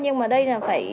nhưng mà đây là phải